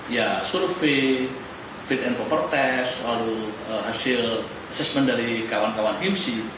ya survei fit and proper test lalu hasil asesmen dari kawan kawan imc